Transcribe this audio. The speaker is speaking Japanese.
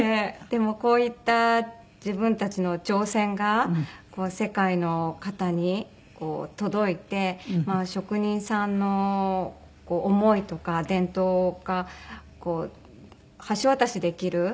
でもこういった自分たちの挑戦が世界の方に届いて職人さんの思いとか伝統が橋渡しできる。